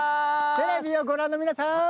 テレビをご覧のみなさん